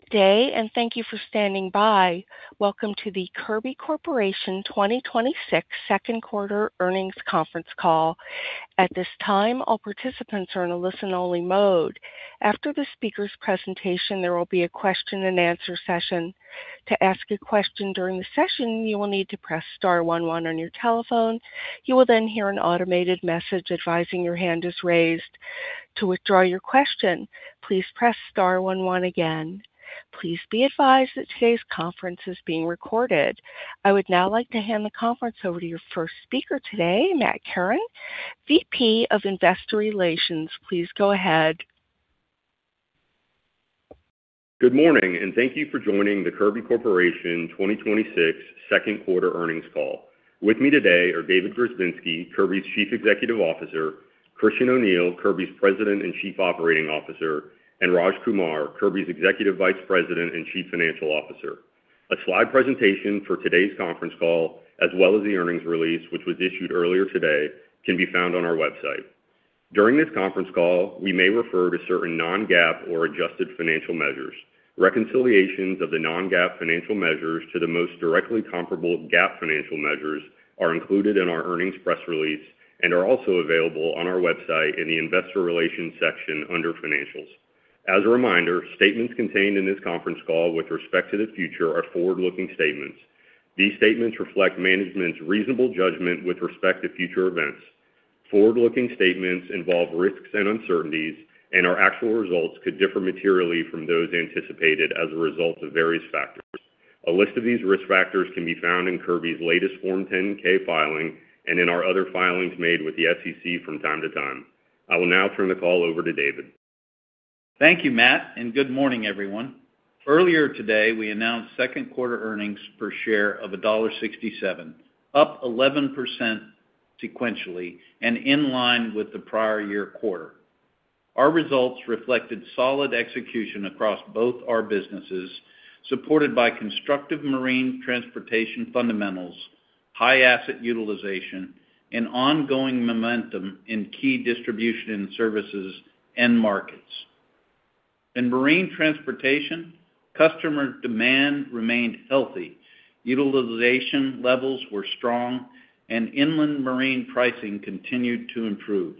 Good day, and thank you for standing by. Welcome to the Kirby Corporation 2026 Second Quarter Earnings Conference Call. At this time, all participants are in a listen-only mode. After the speaker's presentation, there will be a question-and-answer session. To ask a question during the session, you will need to press star one one on your telephone. You will then hear an automated message advising your hand is raised. To withdraw your question, please press star one one again. Please be advised that today's conference is being recorded. I would now like to hand the conference over to your first speaker today, Matt Kerin, VP of Investor Relations. Please go ahead. Good morning, and thank you for joining the Kirby Corporation 2026 Second Quarter Earnings Call. With me today are David Grzebinski, Kirby's Chief Executive Officer, Christian O'Neil, Kirby's President and Chief Operating Officer, and Raj Kumar, Kirby's Executive Vice President and Chief Financial Officer. A slide presentation for today's conference call, as well as the earnings release, which was issued earlier today, can be found on our website. During this conference call, we may refer to certain non-GAAP or adjusted financial measures. Reconciliations of the non-GAAP financial measures to the most directly comparable GAAP financial measures are included in our earnings press release and are also available on our website in the Investor Relations section under Financials. As a reminder, statements contained in this conference call with respect to the future are forward-looking statements. These statements reflect management's reasonable judgment with respect to future events. Forward-looking statements involve risks and uncertainties, and our actual results could differ materially from those anticipated as a result of various factors. A list of these risk factors can be found in Kirby's latest Form 10-K filing and in our other filings made with the SEC from time to time. I will now turn the call over to David. Thank you, Matt, and good morning, everyone. Earlier today, we announced second quarter earnings per share of $1.67, up 11% sequentially and in line with the prior year quarter. Our results reflected solid execution across both our businesses, supported by constructive marine transportation fundamentals, high asset utilization, and ongoing momentum in key Distribution and Services markets. In marine transportation, customer demand remained healthy. Utilization levels were strong, and inland marine pricing continued to improve.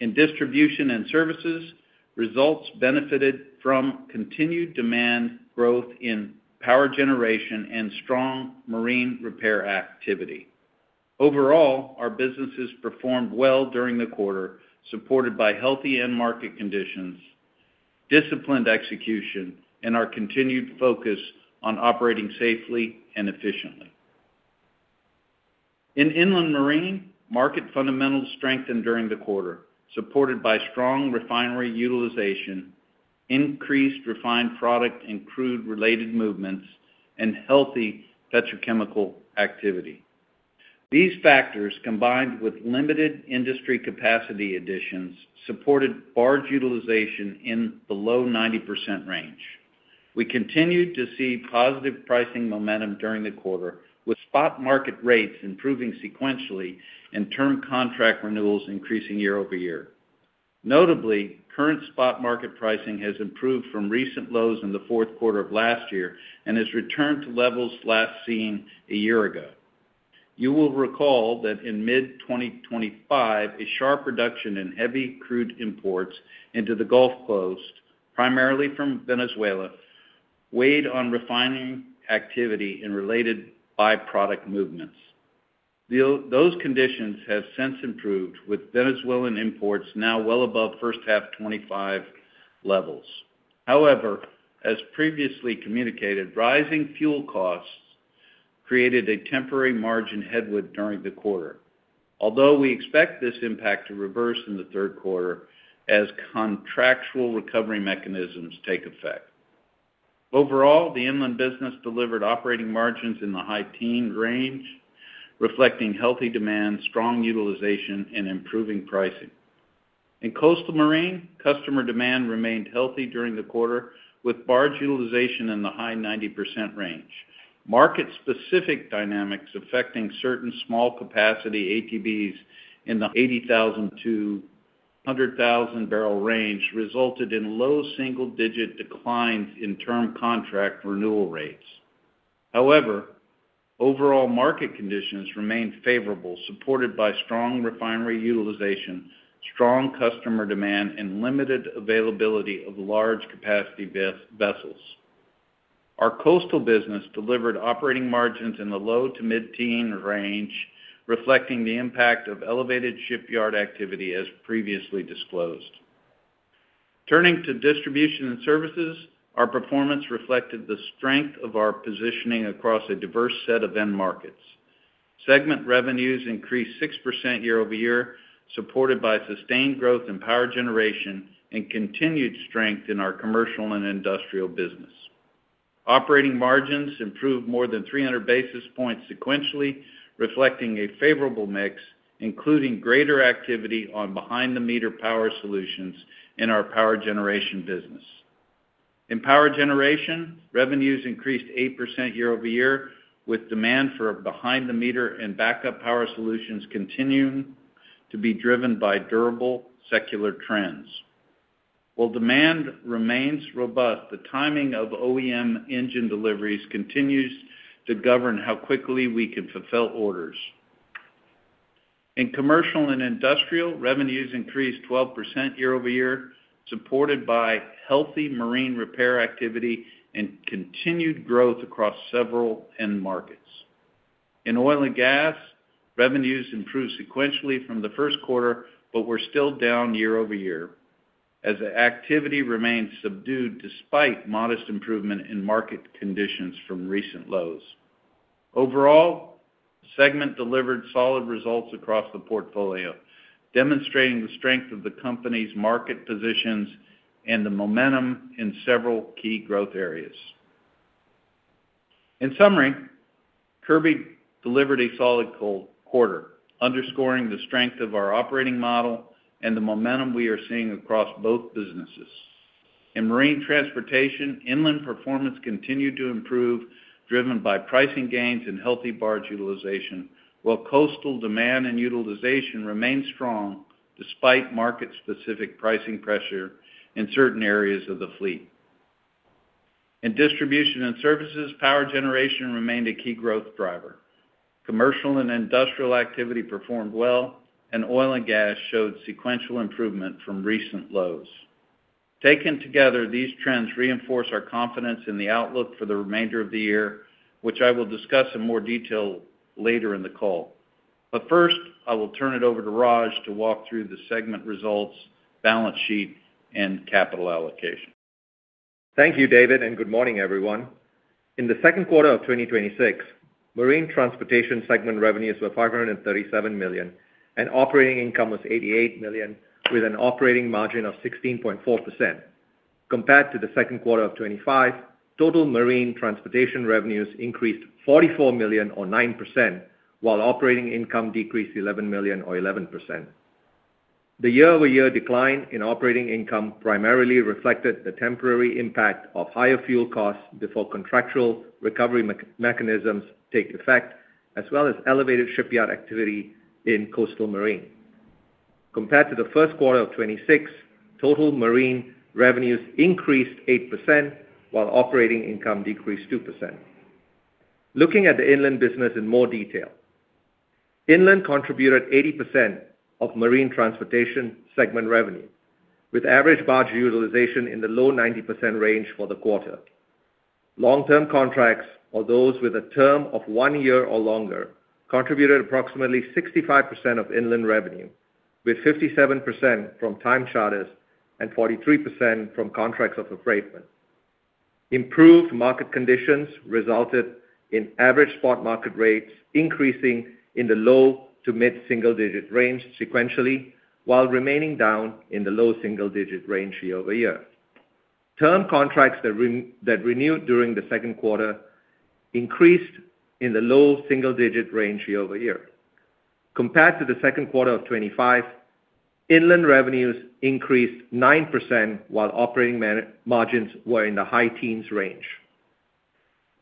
In Distribution and Services, results benefited from continued demand growth in power generation and strong marine repair activity. Overall, our businesses performed well during the quarter, supported by healthy end market conditions, disciplined execution, and our continued focus on operating safely and efficiently. In inland marine, market fundamentals strengthened during the quarter, supported by strong refinery utilization, increased refined product and crude-related movements, and healthy petrochemical activity. These factors, combined with limited industry capacity additions, supported barge utilization in below 90% range. We continued to see positive pricing momentum during the quarter, with spot market rates improving sequentially and term contract renewals increasing year-over-year. Notably, current spot market pricing has improved from recent lows in the fourth quarter of last year and has returned to levels last seen a year ago. You will recall that in mid-2025, a sharp reduction in heavy crude imports into the Gulf Coast, primarily from Venezuela, weighed on refining activity and related byproduct movements. Those conditions have since improved, with Venezuelan imports now well above first half 2025 levels. However, as previously communicated, rising fuel costs created a temporary margin headwind during the quarter. Although we expect this impact to reverse in the third quarter as contractual recovery mechanisms take effect. Overall, the inland business delivered operating margins in the high teen range, reflecting healthy demand, strong utilization, and improving pricing. In coastal marine, customer demand remained healthy during the quarter, with barge utilization in the high 90% range. Market-specific dynamics affecting certain small capacity ATBs in the 80,000-100,000-barrel range resulted in low single-digit declines in term contract renewal rates. However, overall market conditions remained favorable, supported by strong refinery utilization, strong customer demand, and limited availability of large capacity vessels. Our coastal business delivered operating margins in the low to mid-teen range, reflecting the impact of elevated shipyard activity as previously disclosed. Turning to Distribution and Services, our performance reflected the strength of our positioning across a diverse set of end markets. Segment revenues increased 6% year-over-year, supported by sustained growth in power generation and continued strength in our commercial and industrial business. Operating margins improved more than 300 basis points sequentially, reflecting a favorable mix, including greater activity on behind-the-meter power solutions in our power generation business. In power generation, revenues increased 8% year-over-year, with demand for behind-the-meter and backup power solutions continuing to be driven by durable secular trends. While demand remains robust, the timing of OEM engine deliveries continues to govern how quickly we can fulfill orders. In commercial and industrial, revenues increased 12% year-over-year, supported by healthy marine repair activity and continued growth across several end markets. In oil and gas, revenues improved sequentially from the first quarter, but were still down year-over-year, as the activity remained subdued despite modest improvement in market conditions from recent lows. Overall, segment delivered solid results across the portfolio, demonstrating the strength of the company's market positions and the momentum in several key growth areas. In summary, Kirby delivered a solid quarter, underscoring the strength of our operating model and the momentum we are seeing across both businesses. In marine transportation, inland performance continued to improve, driven by pricing gains and healthy barge utilization, while coastal demand and utilization remained strong despite market-specific pricing pressure in certain areas of the fleet. In Distribution and Services, power generation remained a key growth driver. Commercial and industrial activity performed well, and oil and gas showed sequential improvement from recent lows. Taken together, these trends reinforce our confidence in the outlook for the remainder of the year, which I will discuss in more detail later in the call. First, I will turn it over to Raj to walk through the segment results, balance sheet, and capital allocation. Thank you, David, and good morning, everyone. In the second quarter of 2026, marine transportation segment revenues were $537 million, and operating income was $88 million with an operating margin of 16.4%. Compared to the second quarter of 2025, total marine transportation revenues increased $44 million or 9%, while operating income decreased $11 million or 11%. The year-over-year decline in operating income primarily reflected the temporary impact of higher fuel costs before contractual recovery mechanisms take effect, as well as elevated shipyard activity in coastal marine. Compared to the first quarter of 2026, total marine revenues increased 8%, while operating income decreased 2%. Looking at the inland business in more detail. Inland contributed 80% of marine transportation segment revenue, with average barge utilization in the low 90% range for the quarter. Long-term contracts or those with a term of one year or longer contributed approximately 65% of inland revenue, with 57% from time charters and 43% from contracts of affreightment. Improved market conditions resulted in average spot market rates increasing in the low to mid-single digit range sequentially while remaining down in the low single digit range year-over-year. Term contracts that renewed during the second quarter increased in the low single digit range year-over-year. Compared to the second quarter of 2025, inland revenues increased 9%, while operating margins were in the high teens range.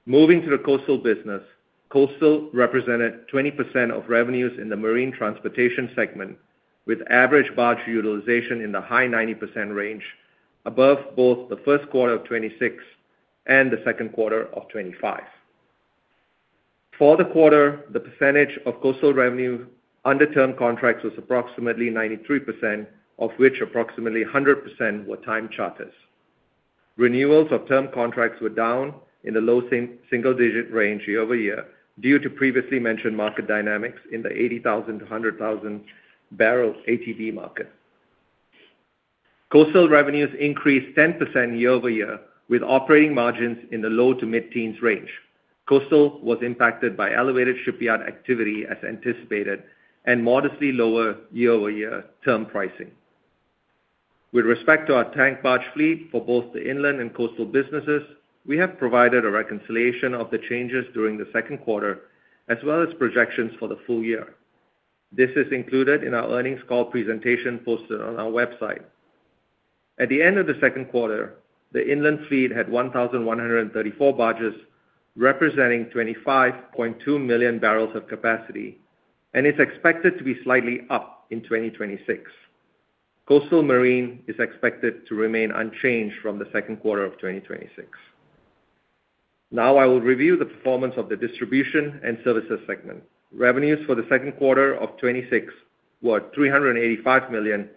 Moving to the coastal business. Coastal represented 20% of revenues in the marine transportation segment, with average barge utilization in the high 90% range, above both the first quarter of 2026 and the second quarter of 2025. For the quarter, the percentage of coastal revenue under term contracts was approximately 93%, of which approximately 100% were time charters. Renewals of term contracts were down in the low single digit range year-over-year due to previously mentioned market dynamics in the 80,000-100,000 barrel ATB market. Coastal revenues increased 10% year-over-year with operating margins in the low to mid-teens range. Coastal was impacted by elevated shipyard activity as anticipated and modestly lower year-over-year term pricing. With respect to our tank barge fleet for both the inland and coastal businesses, we have provided a reconciliation of the changes during the second quarter, as well as projections for the full-year. This is included in our earnings call presentation posted on our website. At the end of the second quarter, the inland fleet had 1,134 barges, representing 25.2 million barrels of capacity and is expected to be slightly up in 2026. Coastal marine is expected to remain unchanged from the second quarter of 2026. Now I will review the performance of the Distribution and Services segment. Revenues for the second quarter of 2026 were $385 million,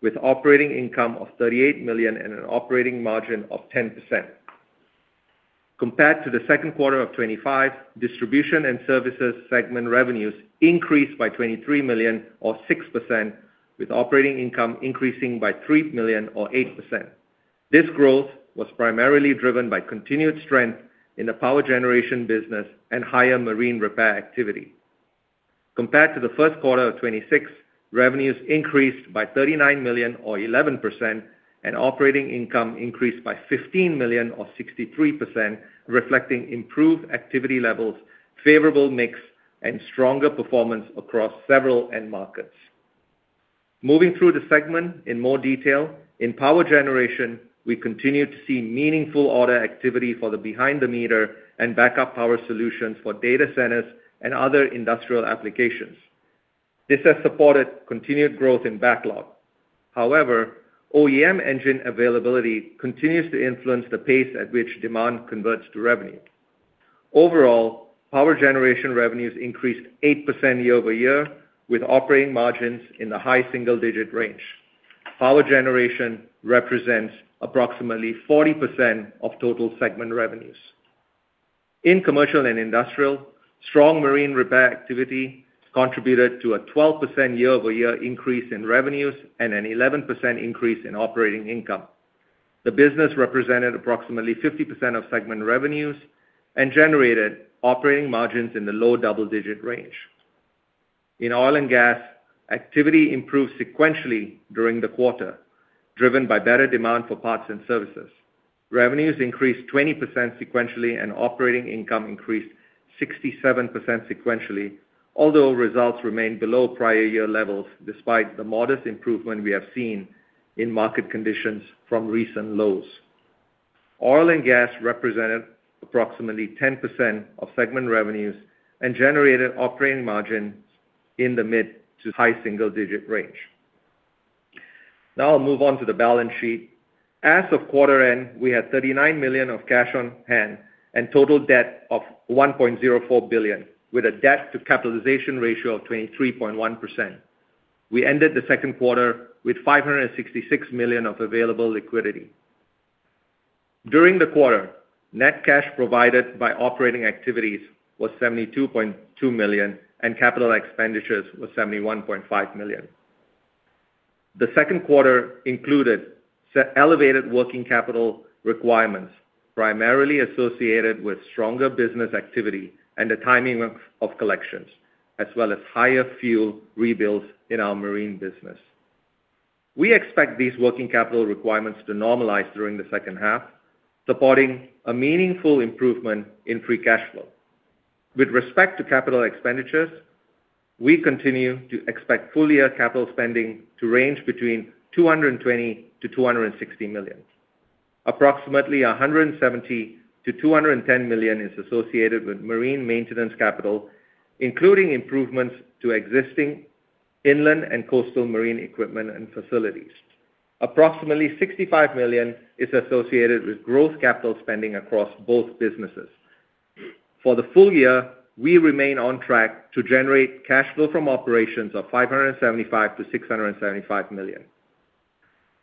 with operating income of $38 million and an operating margin of 10%. Compared to the second quarter of 2025, Distribution and Services segment revenues increased by $23 million or 6%, with operating income increasing by $3 million or 8%. This growth was primarily driven by continued strength in the power generation business and higher marine repair activity. Compared to the first quarter of 2026, revenues increased by $39 million or 11%, and operating income increased by $15 million or 63%, reflecting improved activity levels, favorable mix, and stronger performance across several end markets. Moving through the segment in more detail, in power generation, we continue to see meaningful order activity for the behind the meter and backup power solutions for data centers and other industrial applications. This has supported continued growth in backlog. However, OEM engine availability continues to influence the pace at which demand converts to revenue. Overall, power generation revenues increased 8% year-over-year, with operating margins in the high single-digit range. Power generation represents approximately 40% of total segment revenues. In commercial and industrial, strong marine repair activity contributed to a 12% year-over-year increase in revenues and an 11% increase in operating income. The business represented approximately 50% of segment revenues and generated operating margins in the low double-digit range. In oil and gas, activity improved sequentially during the quarter, driven by better demand for parts and services. Revenues increased 20% sequentially and operating income increased 67% sequentially, although results remained below prior year levels despite the modest improvement we have seen in market conditions from recent lows. Oil and gas represented approximately 10% of segment revenues and generated operating margins in the mid to high single-digit range. I'll move on to the balance sheet. As of quarter end, we had $39 million of cash on hand and total debt of $1.04 billion, with a debt to capitalization ratio of 23.1%. We ended the second quarter with $566 million of available liquidity. During the quarter, net cash provided by operating activities was $72.2 million and capital expenditures was $71.5 million. The second quarter included elevated working capital requirements, primarily associated with stronger business activity and the timing of collections, as well as higher fuel rebuilds in our marine business. We expect these working capital requirements to normalize during the second half, supporting a meaningful improvement in free cash flow. With respect to capital expenditures, we continue to expect full-year capital spending to range between $220 million to $260 million. Approximately $170 million to $210 million is associated with marine maintenance capital, including improvements to existing inland and coastal marine equipment and facilities. Approximately $65 million is associated with growth capital spending across both businesses. For the full-year, we remain on track to generate cash flow from operations of $575 million to $675 million.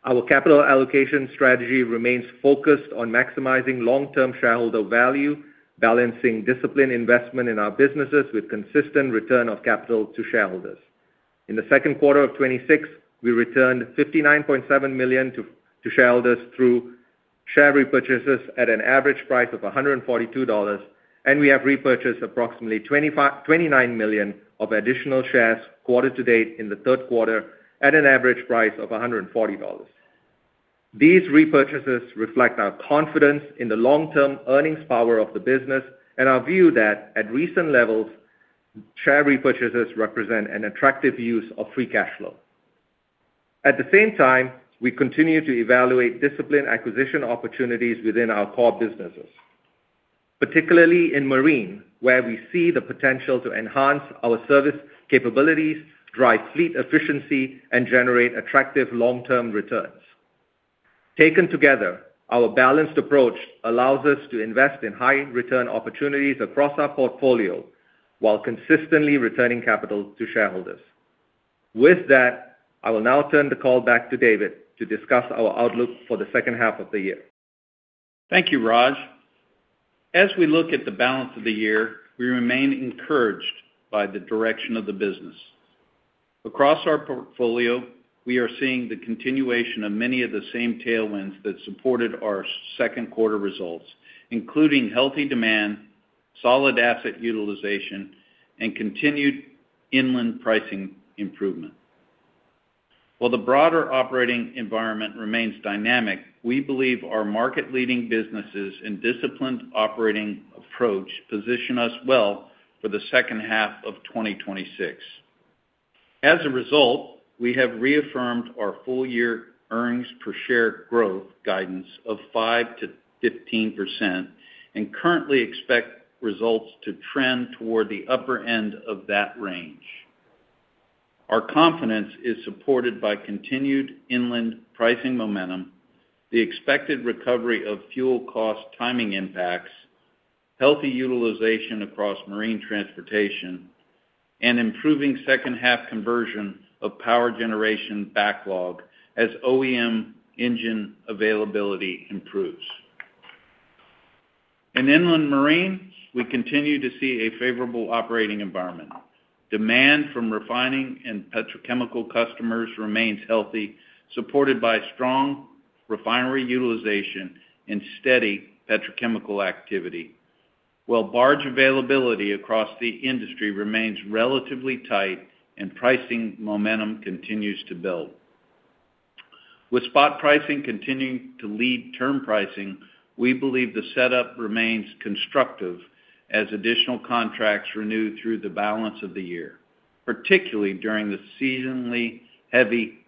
Our capital allocation strategy remains focused on maximizing long-term shareholder value, balancing disciplined investment in our businesses with consistent return of capital to shareholders. In the second quarter of 2026, we returned $59.7 million to shareholders through share repurchases at an average price of $142. We have repurchased approximately $29 million of additional shares quarter to date in the third quarter at an average price of $140. These repurchases reflect our confidence in the long-term earnings power of the business and our view that at recent levels, share repurchases represent an attractive use of free cash flow. We continue to evaluate disciplined acquisition opportunities within our core businesses, particularly in marine, where we see the potential to enhance our service capabilities, drive fleet efficiency, and generate attractive long-term returns. Our balanced approach allows us to invest in high return opportunities across our portfolio while consistently returning capital to shareholders. With that, I will now turn the call back to David to discuss our outlook for the second half of the year. Thank you, Raj. As we look at the balance of the year, we remain encouraged by the direction of the business. Across our portfolio, we are seeing the continuation of many of the same tailwinds that supported our second quarter results, including healthy demand, solid asset utilization, and continued inland pricing improvement. While the broader operating environment remains dynamic, we believe our market-leading businesses and disciplined operating approach position us well for the second half of 2026. As a result, we have reaffirmed our full-year earnings per share growth guidance of 5%-15% and currently expect results to trend toward the upper end of that range. Our confidence is supported by continued inland pricing momentum, the expected recovery of fuel cost timing impacts, healthy utilization across marine transportation, and improving second half conversion of power generation backlog as OEM engine availability improves. In inland marine, we continue to see a favorable operating environment. Demand from refining and petrochemical customers remains healthy, supported by strong refinery utilization and steady petrochemical activity, while barge availability across the industry remains relatively tight and pricing momentum continues to build. With spot pricing continuing to lead term pricing, we believe the setup remains constructive as additional contracts renew through the balance of the year, particularly during the seasonally heavy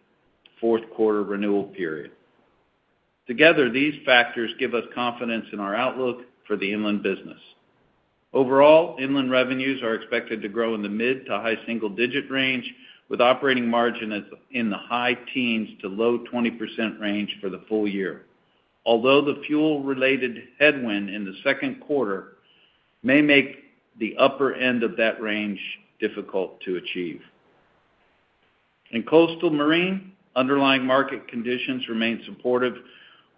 fourth quarter renewal period. Together, these factors give us confidence in our outlook for the inland business. Overall, inland revenues are expected to grow in the mid- to high single-digit range with operating margin in the high teens to low 20% range for the full-year. Although the fuel related headwind in the second quarter may make the upper end of that range difficult to achieve. In coastal marine, underlying market conditions remain supportive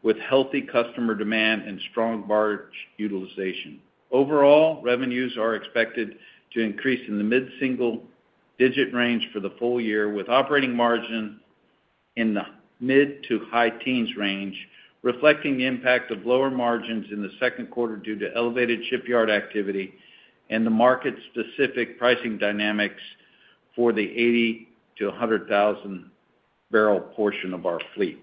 with healthy customer demand and strong barge utilization. Overall, revenues are expected to increase in the mid-single-digit range for the full-year, with operating margin in the mid- to high teens range, reflecting the impact of lower margins in the second quarter due to elevated shipyard activity and the market specific pricing dynamics for the 80,000-100,000 barrel portion of our fleet.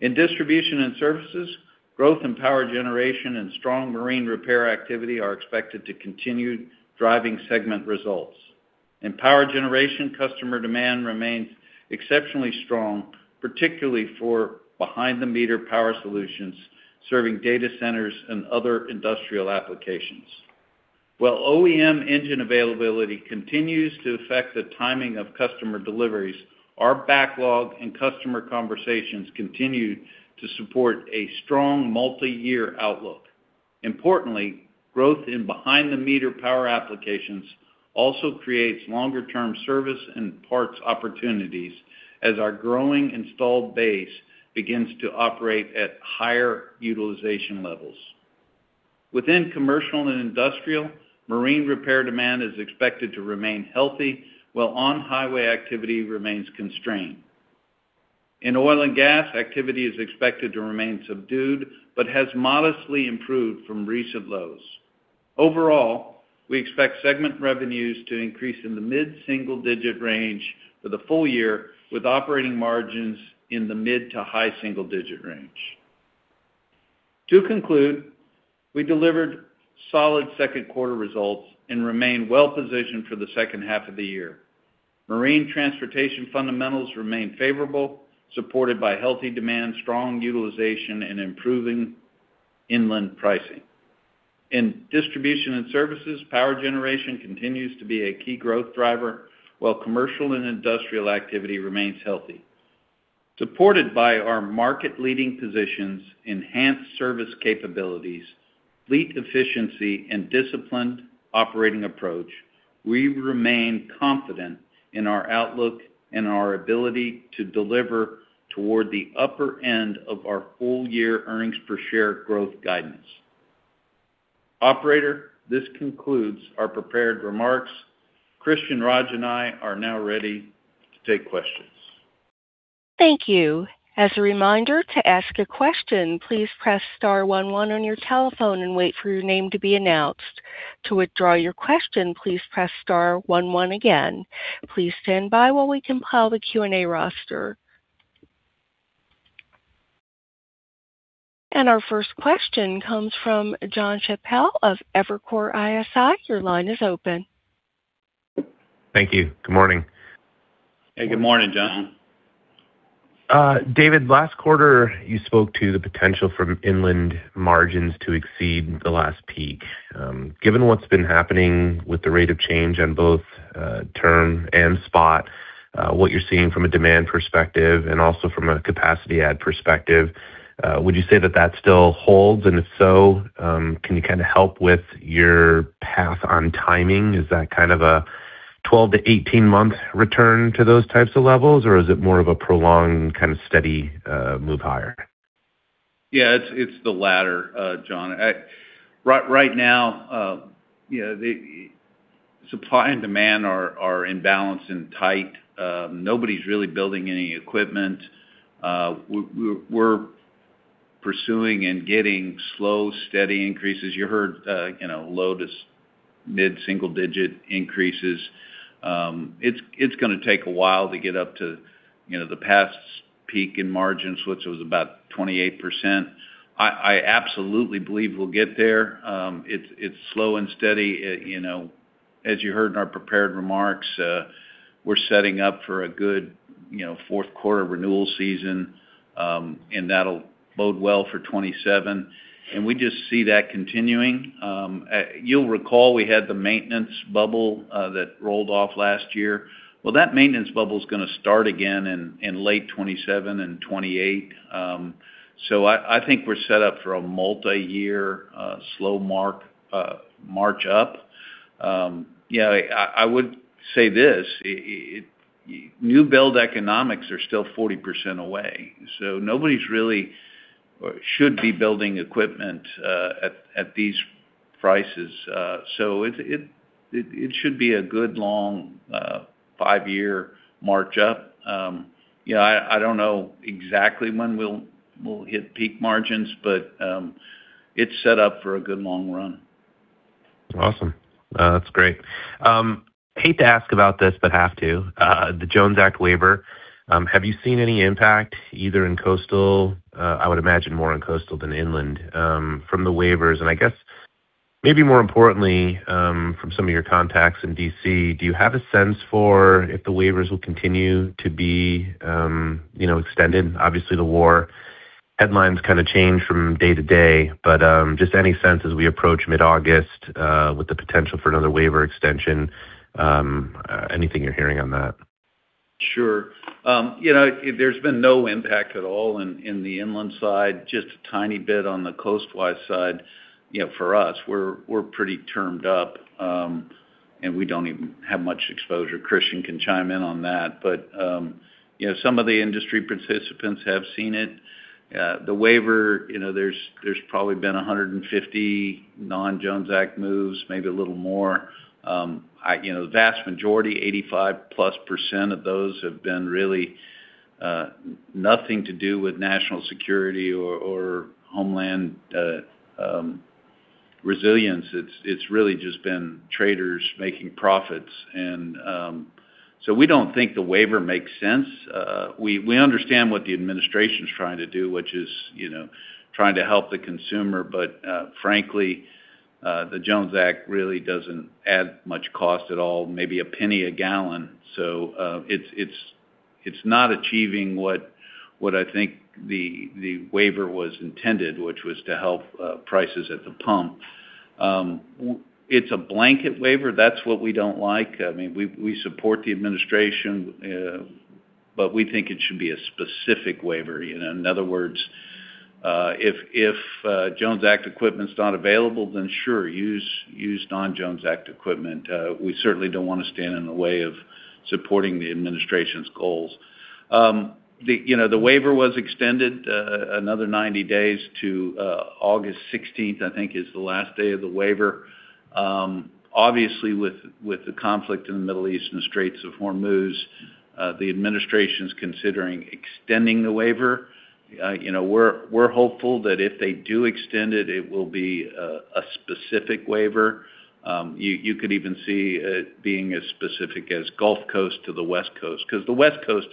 In Distribution and Services, growth in power generation and strong marine repair activity are expected to continue driving segment results. In power generation, customer demand remains exceptionally strong, particularly for behind the meter power solutions, serving data centers and other industrial applications. While OEM engine availability continues to affect the timing of customer deliveries, our backlog and customer conversations continue to support a strong multi-year outlook. Importantly, growth in behind the meter power applications also creates longer-term service and parts opportunities as our growing installed base begins to operate at higher utilization levels. Within commercial and industrial, marine repair demand is expected to remain healthy while on highway activity remains constrained. In oil and gas, activity is expected to remain subdued, but has modestly improved from recent lows. Overall, we expect segment revenues to increase in the mid-single digit range for the full-year, with operating margins in the mid to high single digit range. To conclude, we delivered solid second quarter results and remain well positioned for the second half of the year. Marine transportation fundamentals remain favorable, supported by healthy demand, strong utilization, and improving inland pricing. In Distribution and Services, power generation continues to be a key growth driver, while commercial and industrial activity remains healthy. Supported by our market-leading positions, enhanced service capabilities, fleet efficiency, and disciplined operating approach, we remain confident in our outlook and our ability to deliver toward the upper end of our full-year earnings per share growth guidance. Operator, this concludes our prepared remarks. Christian, Raj, and I are now ready to take questions. Thank you. As a reminder, to ask a question, please press star one one on your telephone and wait for your name to be announced. To withdraw your question, please press star one one again. Please stand by while we compile the Q&A roster. Our first question comes from Jon Chappell of Evercore ISI. Your line is open. Thank you. Good morning. Hey, good morning, Jon. David, last quarter, you spoke to the potential for inland margins to exceed the last peak. Given what's been happening with the rate of change on both term and spot, what you're seeing from a demand perspective and also from a capacity add perspective, would you say that that still holds? If so, can you kind of help with your path on timing? Is that kind of a 12-18 month return to those types of levels, or is it more of a prolonged kind of steady move higher? Yeah, it's the latter, Jon. Right now, supply and demand are in balance and tight. Nobody's really building any equipment. We're pursuing and getting slow, steady increases. You heard low to mid-single digit increases. It's going to take a while to get up to the past's peak in margins, which was about 28%. I absolutely believe we'll get there. It's slow and steady. As you heard in our prepared remarks, we're setting up for a good fourth quarter renewal season, that'll bode well for 2027. We just see that continuing. You'll recall we had the maintenance bubble that rolled off last year. Well, that maintenance bubble is going to start again in late 2027 and 2028. I think we're set up for a multi-year slow march up. I would say this, new build economics are still 40% away, nobody really should be building equipment at these prices. It should be a good long five-year march up. I don't know exactly when we'll hit peak margins, but it's set up for a good long run. Awesome. That's great. Hate to ask about this, but have to. The Jones Act waiver, have you seen any impact either in coastal, I would imagine more on coastal than inland, from the waivers? I guess maybe more importantly, from some of your contacts in D.C., do you have a sense for if the waivers will continue to be extended? Obviously, the war headlines kind of change from day to day, just any sense as we approach mid-August, with the potential for another waiver extension, anything you're hearing on that? Sure. There's been no impact at all in the inland side, just a tiny bit on the coastwide side. For us, we're pretty termed up, we don't even have much exposure. Christian can chime in on that. Some of the industry participants have seen it. The waiver, there's probably been 150 non-Jones Act moves, maybe a little more. The vast majority, 85+ percent of those have been really nothing to do with national security or homeland resilience. It's really just been traders making profits. We don't think the waiver makes sense. We understand what the administration's trying to do, which is trying to help the consumer. Frankly, the Jones Act really doesn't add much cost at all, maybe a penny a gallon. It's not achieving what I think the waiver was intended, which was to help prices at the pump. It's a blanket waiver. That's what we don't like. We support the administration, we think it should be a specific waiver. In other words, if Jones Act equipment's not available, then sure, use non-Jones Act equipment. We certainly don't want to stand in the way of supporting the administration's goals. The waiver was extended another 90 days to August 16th, I think is the last day of the waiver. Obviously, with the conflict in the Middle East and the Straits of Hormuz, the administration's considering extending the waiver. We're hopeful that if they do extend it will be a specific waiver. You could even see it being as specific as Gulf Coast to the West Coast, because the West Coast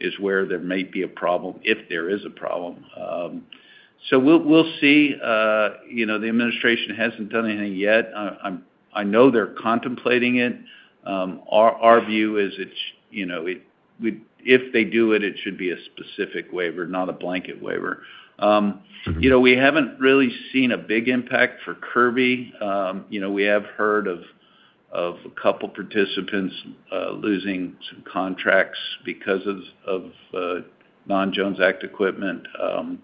is where there may be a problem, if there is a problem. We'll see. The administration hasn't done anything yet. I know they're contemplating it. Our view is if they do it should be a specific waiver, not a blanket waiver. We haven't really seen a big impact for Kirby. We have heard of a couple participants losing some contracts because of non-Jones Act equipment. So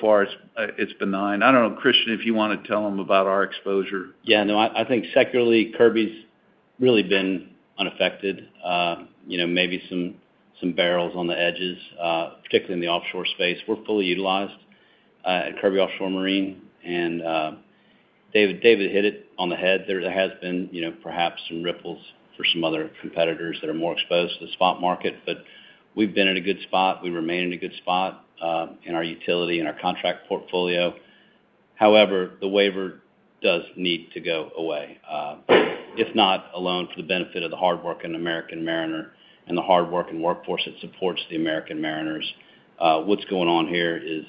far it's benign. I don't know, Christian, if you want to tell them about our exposure. I think secularly, Kirby's really been unaffected. Maybe some barrels on the edges, particularly in the offshore space. We're fully utilized at Kirby Offshore Marine, and David hit it on the head. There has been perhaps some ripples for some other competitors that are more exposed to the spot market, but we've been in a good spot. We remain in a good spot in our utility and our contract portfolio. The waiver does need to go away. If not, alone for the benefit of the hardworking American mariner and the hardworking workforce that supports the American mariners. What's going on here is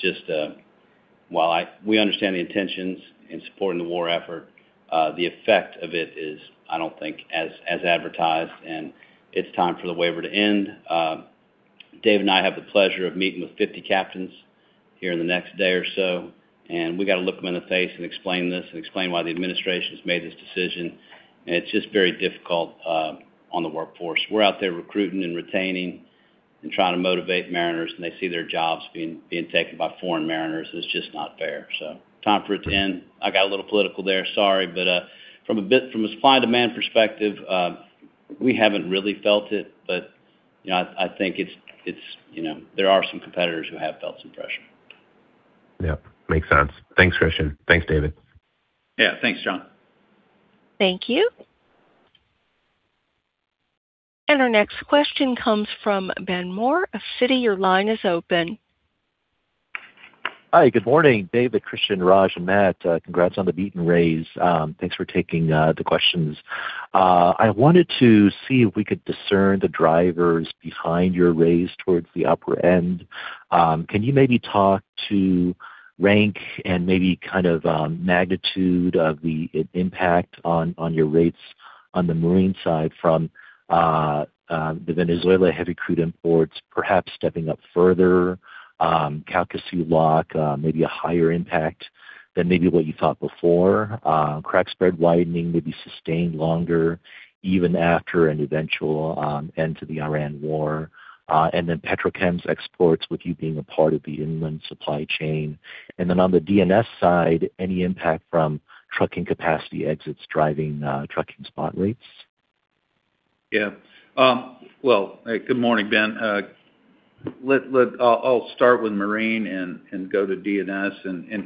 just, while we understand the intentions in supporting the war effort, the effect of it is, I don't think, as advertised, and it's time for the waiver to end. Dave and I have the pleasure of meeting with 50 captains here in the next day or so, and we got to look them in the face and explain this and explain why the administration's made this decision, and it's just very difficult on the workforce. We're out there recruiting and retaining and trying to motivate mariners, and they see their jobs being taken by foreign mariners, and it's just not fair. Time for it to end. I got a little political there, sorry, from a supply and demand perspective, we haven't really felt it. I think there are some competitors who have felt some pressure. Yep. Makes sense. Thanks, Christian. Thanks, David. Yeah. Thanks, Jon. Thank you. Our next question comes from Ben Mohr of Citi. Your line is open. Hi, good morning, David, Christian, Raj, and Matt. Congrats on the beat and raise. Thanks for taking the questions. I wanted to see if we could discern the drivers behind your raise towards the upper end. Can you maybe talk to rank and maybe kind of magnitude of the impact on your rates on the marine side from the Venezuela heavy crude imports perhaps stepping up further, Calcasieu Lock, maybe a higher impact than maybe what you thought before, crack spread widening maybe sustained longer even after an eventual end to the Iran war. Petrochem's exports, with you being a part of the inland supply chain. On the D&S side, any impact from trucking capacity exits driving trucking spot rates? Yeah. Well, good morning, Ben. I'll start with marine and go to D&S,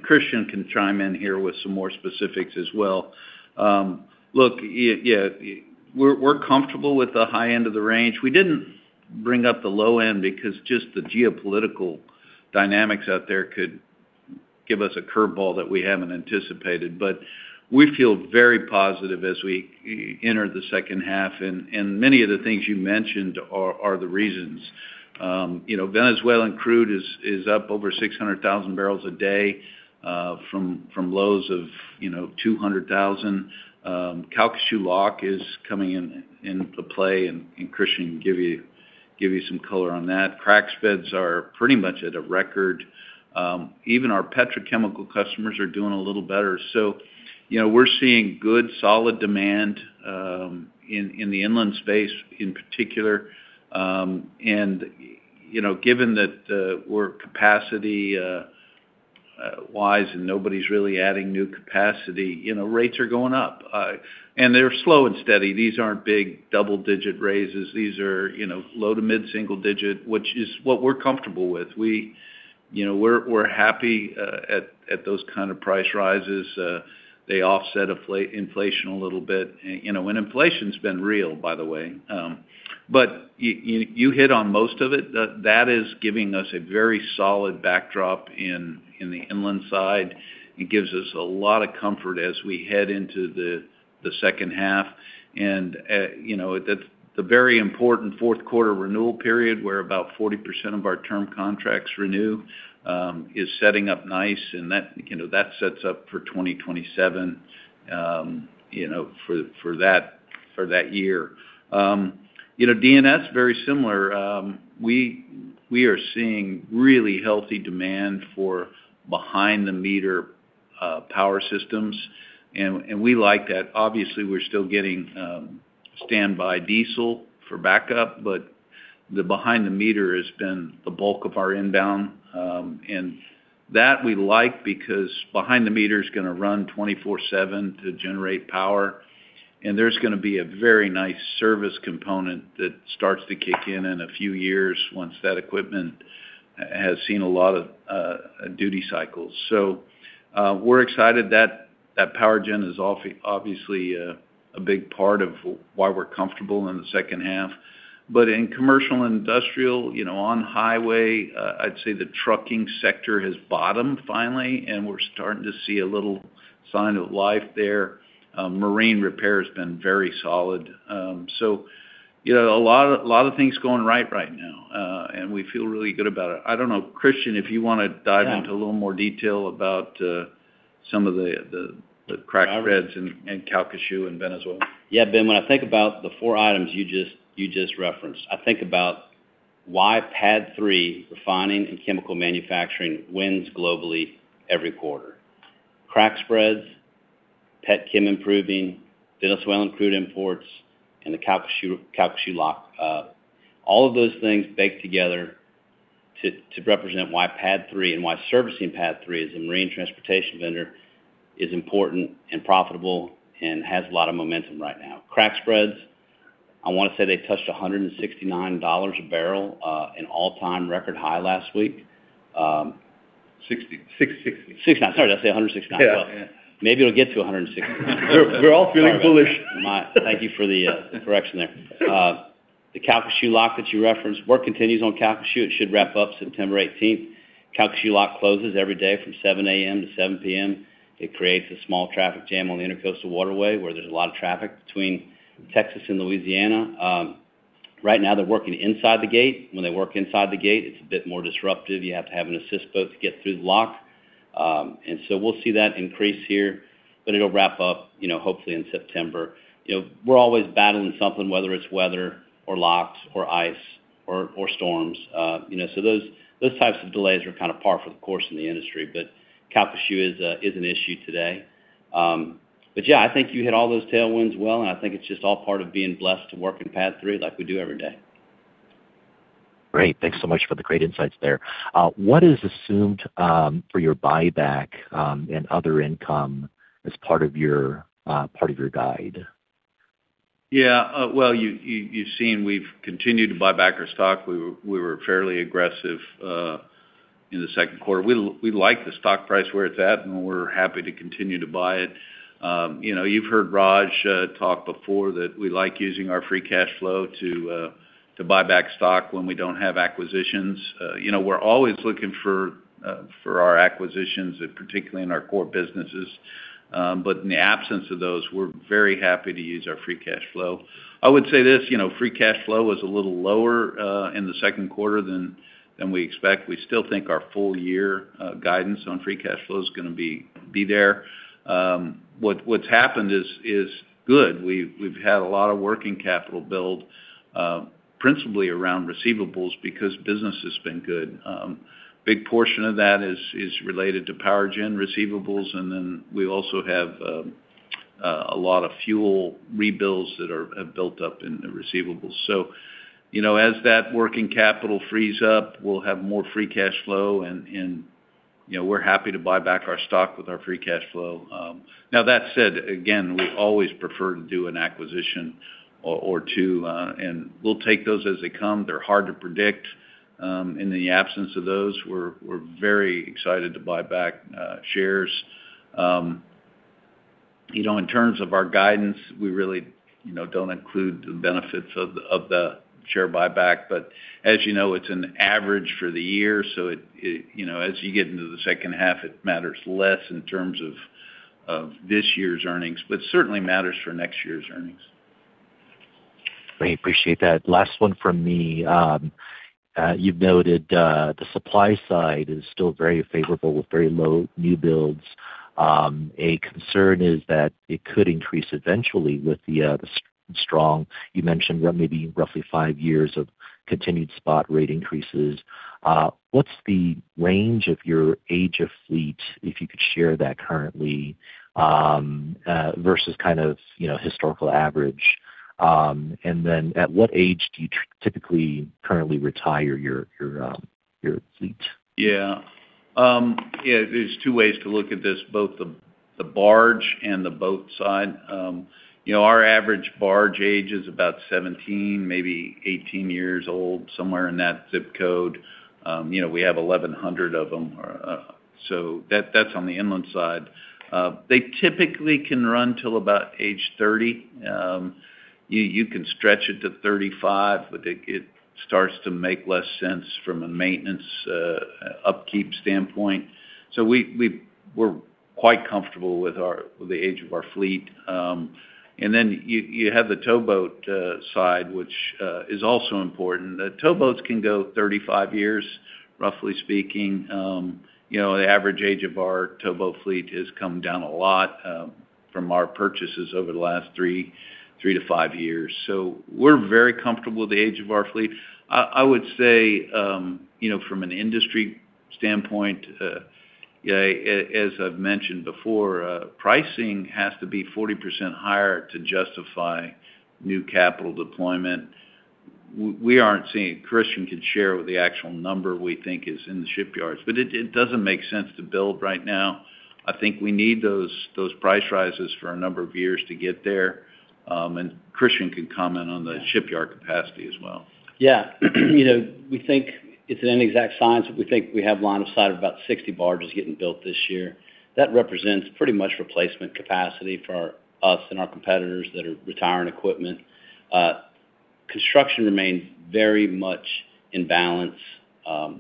Christian can chime in here with some more specifics as well. Look, we're comfortable with the high end of the range. We didn't bring up the low end, because just the geopolitical dynamics out there could give us a curve ball that we haven't anticipated. But we feel very positive as we enter the second half, and many of the things you mentioned are the reasons. Venezuelan crude is up over 600,000 barrels a day from lows of 200,000. Calcasieu Lock is coming into play and Christian can give you some color on that. Crack spreads are pretty much at a record. Even our petrochemical customers are doing a little better. We're seeing good, solid demand in the inland space in particular. Given that we're capacity-wise and nobody's really adding new capacity, rates are going up. They're slow and steady. These aren't big double-digit raises. These are low to mid-single-digit, which is what we're comfortable with. We're happy at those kind of price rises. They offset inflation a little bit. Inflation's been real, by the way. You hit on most of it. That is giving us a very solid backdrop in the inland side. It gives us a lot of comfort as we head into the second half. The very important fourth quarter renewal period, where about 40% of our term contracts renew, is setting up nice, and that sets up for 2027, for that year. D&S, very similar. We are seeing really healthy demand for behind-the-meter power systems, and we like that. We're still getting standby diesel for backup, but the behind the meter has been the bulk of our inbound. That we like because behind the meter is going to run 24/7 to generate power, and there's going to be a very nice service component that starts to kick in in a few years once that equipment has seen a lot of duty cycles. We're excited that PowerGen is obviously a big part of why we're comfortable in the second half. In commercial and industrial, on highway, I'd say the trucking sector has bottomed finally, and we're starting to see a little sign of life there. Marine repair has been very solid. A lot of things going right right now, and we feel really good about it. I don't know, Christian, if you want to dive into a little more detail about some of the crack spreads and Calcasieu and Venezuela. Yeah, Ben, when I think about the four items you just referenced, I think about why PADD 3 refining and chemical manufacturing wins globally every quarter. Crack spreads, pet chem improving, Venezuelan crude imports, and the Calcasieu Lock. All of those things bake together to represent why PADD 3 and why servicing PADD 3 as a marine transportation vendor is important and profitable and has a lot of momentum right now. Crack spreads, I want to say they touched $169 a barrel, an all-time record high last week. 66. 69. Sorry, did I say 169? Yeah. Maybe it'll get to 169. We're all feeling bullish. Thank you for the correction there. The Calcasieu Lock that you referenced, work continues on Calcasieu. It should wrap up September 18th. Calcasieu Lock closes every day from 7:00 A.M. to 7:00 P.M. It creates a small traffic jam on the Intracoastal Waterway, where there's a lot of traffic between Texas and Louisiana. Right now, they're working inside the gate. When they work inside the gate, it's a bit more disruptive. You have to have an assist boat to get through the lock. We'll see that increase here, but it'll wrap up hopefully in September. We're always battling something, whether it's weather or locks or ice or storms. Those types of delays are kind of par for the course in the industry, but Calcasieu is an issue today. Yeah, I think you hit all those tailwinds well, and I think it's just all part of being blessed to work in PADD 3 like we do every day. Great. Thanks so much for the great insights there. What is assumed for your buyback and other income as part of your guide? Yeah. Well, you've seen we've continued to buy back our stock. We were fairly aggressive in the second quarter. We like the stock price where it's at, and we're happy to continue to buy it. You've heard Raj talk before that we like using our free cash flow to buy back stock when we don't have acquisitions. We're always looking for our acquisitions, particularly in our core businesses. In the absence of those, we're very happy to use our free cash flow. I would say this, free cash flow was a little lower in the second quarter than we expect. We still think our full-year guidance on free cash flow is going to be there. What's happened is good. We've had a lot of working capital build, principally around receivables because business has been good. Big portion of that is related to PowerGen receivables, and then we also have a lot of fuel rebuilds that have built up in the receivables. As that working capital frees up, we'll have more free cash flow, and we're happy to buy back our stock with our free cash flow. Now, that said, again, we always prefer to do an acquisition or two, and we'll take those as they come. They're hard to predict. In the absence of those, we're very excited to buy back shares. In terms of our guidance, we really don't include the benefits of the share buyback. As you know, it's an average for the year, so as you get into the second half, it matters less in terms of this year's earnings, but certainly matters for next year's earnings. Great. Appreciate that. Last one from me. You've noted the supply side is still very favorable with very low new builds. A concern is that it could increase eventually with the strong, you mentioned maybe roughly five years of continued spot rate increases. What's the range of your age of fleet, if you could share that currently, versus historical average? At what age do you typically currently retire your fleet? Yeah. There's two ways to look at this, both the barge and the boat side. Our average barge age is about 17, maybe 18 years old, somewhere in that ZIP code. We have 1,100 of them. That's on the inland side. They typically can run till about age 30. You can stretch it to 35, but it starts to make less sense from a maintenance upkeep standpoint. We're quite comfortable with the age of our fleet. You have the towboat side, which is also important. The towboats can go 35 years, roughly speaking. The average age of our towboat fleet has come down a lot from our purchases over the last three to five years. We're very comfortable with the age of our fleet. I would say, from an industry standpoint, as I've mentioned before, pricing has to be 40% higher to justify new capital deployment. Christian can share what the actual number we think is in the shipyards. It doesn't make sense to build right now. I think we need those price rises for a number of years to get there. Christian can comment on the shipyard capacity as well. Yeah. It's not an exact science, but we think we have line of sight of about 60 barges getting built this year. That represents pretty much replacement capacity for us and our competitors that are retiring equipment. Construction remains very much in balance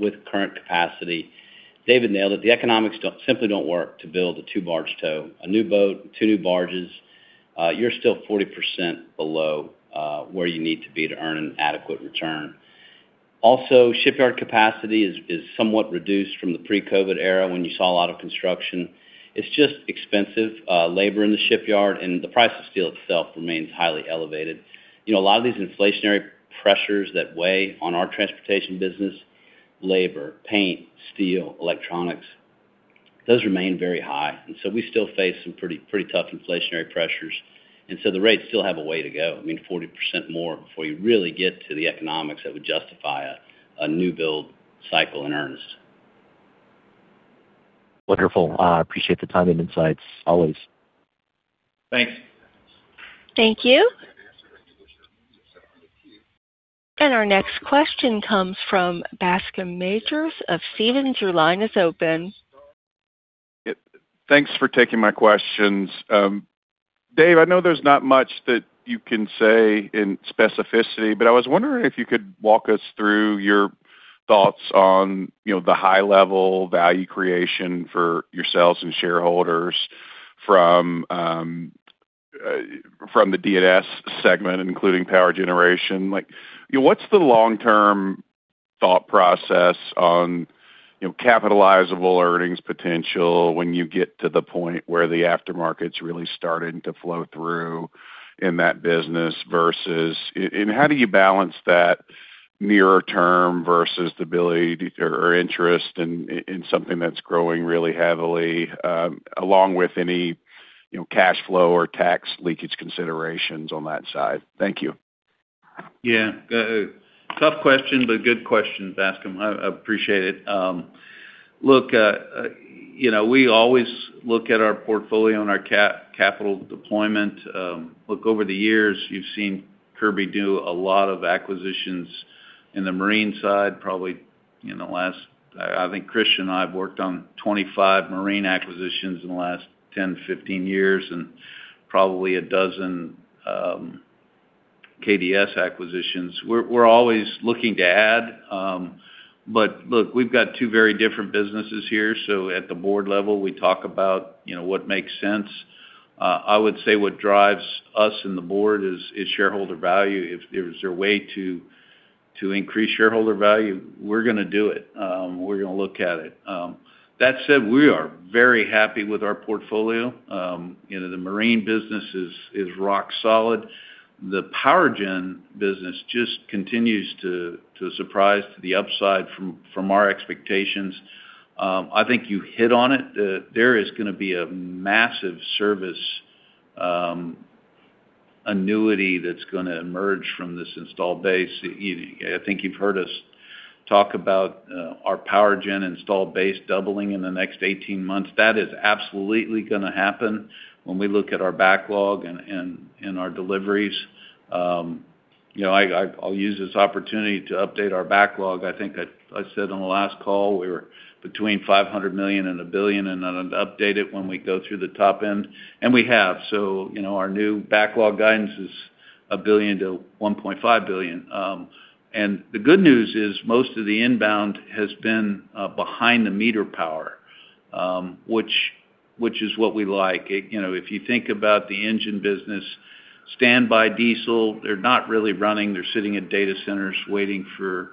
with current capacity. David nailed it. The economics simply don't work to build a two-barge tow. A new boat, two new barges, you're still 40% below where you need to be to earn an adequate return. Also, shipyard capacity is somewhat reduced from the pre-COVID era when you saw a lot of construction. It's just expensive labor in the shipyard, and the price of steel itself remains highly elevated. A lot of these inflationary pressures that weigh on our transportation business, labor, paint, steel, electronics, those remain very high. We still face some pretty tough inflationary pressures. The rates still have a way to go. I mean, 40% more before you really get to the economics that would justify a new build cycle in earnest. Wonderful. I appreciate the time and insights, always. Thanks. Thank you. Our next question comes from Bascome Majors of Stephens. Your line is open. Thanks for taking my questions. Dave, I know there's not much that you can say in specificity, but I was wondering if you could walk us through your thoughts on the high-level value creation for yourselves and shareholders from the D&S segment, including power generation. What's the long-term thought process on capitalizable earnings potential when you get to the point where the aftermarket's really starting to flow through in that business versus how do you balance that nearer term versus the ability or interest in something that's growing really heavily, along with any cash flow or tax leakage considerations on that side? Thank you. Yeah. Tough question, but good question, Bascome. I appreciate it. Look, we always look at our portfolio and our capital deployment. Look, over the years, you've seen Kirby do a lot of acquisitions in the marine side, probably in the last, I think Christian and I have worked on 25 marine acquisitions in the last 10 to 15 years, and probably a dozen KDS acquisitions. We're always looking to add. Look, we've got two very different businesses here. At the board level, we talk about what makes sense. I would say what drives us and the board is shareholder value. If there's a way to increase shareholder value, we're going to do it. We're going to look at it. That said, we are very happy with our portfolio. The marine business is rock solid. The power gen business just continues to surprise to the upside from our expectations. I think you hit on it. There is going to be a massive service annuity that's going to emerge from this installed base. I think you've heard us talk about our power gen installed base doubling in the next 18 months. That is absolutely going to happen when we look at our backlog and our deliveries. I'll use this opportunity to update our backlog. I think I said on the last call we were between $500 million and $1 billion, and I'd update it when we go through the top end, and we have. Our new backlog guidance is $1 billion-$1.5 billion. The good news is most of the inbound has been behind-the-meter power, which is what we like. If you think about the engine business, standby diesel, they're not really running. They're sitting at data centers waiting for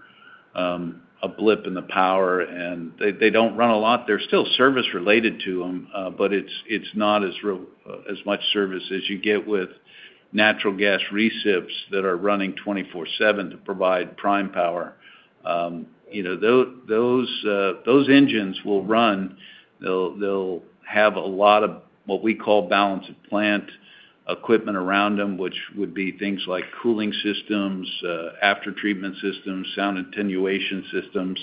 a blip in the power, and they don't run a lot. They're still service related to them, but it's not as much service as you get with natural gas recips that are running 24/7 to provide prime power. Those engines will run. They'll have a lot of what we call balance of plant equipment around them, which would be things like cooling systems, after-treatment systems, sound attenuation systems.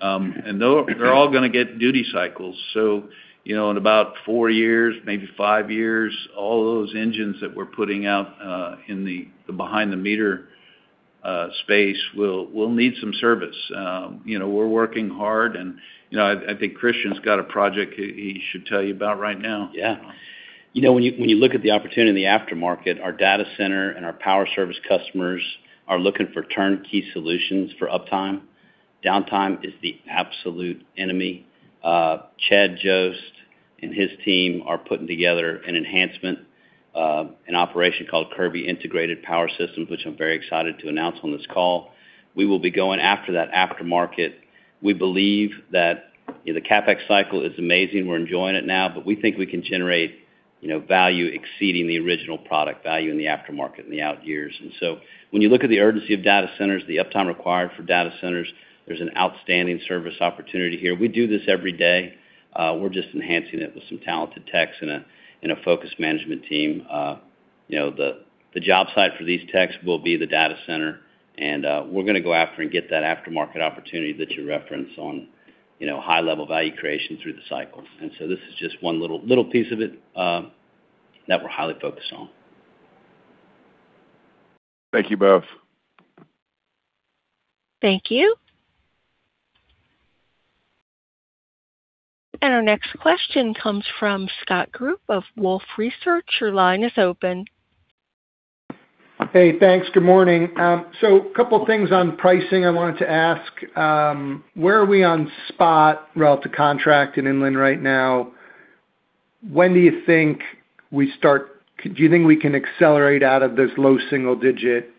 They're all going to get duty cycles. In about four years, maybe five years, all of those engines that we're putting out in the behind-the-meter space will need some service. We're working hard, and I think Christian's got a project he should tell you about right now. Yeah. When you look at the opportunity in the aftermarket, our data center and our power service customers are looking for turnkey solutions for uptime. Downtime is the absolute enemy. Chad Joost and his team are putting together an enhancement, an operation called Kirby Integrated Power Systems, which I'm very excited to announce on this call. We will be going after that aftermarket. We believe that the CapEx cycle is amazing. We're enjoying it now, but we think we can generate value exceeding the original product value in the aftermarket in the out years. When you look at the urgency of data centers, the uptime required for data centers, there's an outstanding service opportunity here. We do this every day. We're just enhancing it with some talented techs and a focused management team. The job site for these techs will be the data center, and we're going to go after and get that aftermarket opportunity that you referenced on high-level value creation through the cycles. This is just one little piece of it that we're highly focused on. Thank you both. Thank you. Our next question comes from Scott Group of Wolfe Research. Your line is open. Hey, thanks. Good morning. A couple things on pricing I wanted to ask. Where are we on spot relative to contract in inland right now? When do you think we start do you think we can accelerate out of this low single-digit